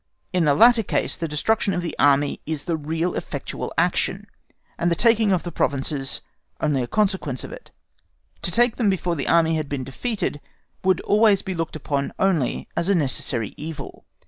In the latter case the destruction of the Army is the real effectual action, and the taking of the provinces only a consequence of it; to take them before the Army had been defeated would always be looked upon only as a necessary evil.